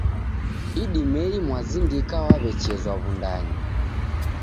Idimei mwazindika waw'echezwa Wundanyi.